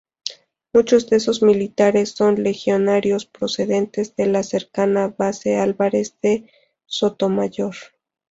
Muchos de estos militares son legionarios, procedentes de la cercana Base Álvarez de Sotomayor.